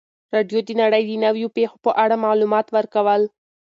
راډیو د نړۍ د نویو پیښو په اړه معلومات ورکول.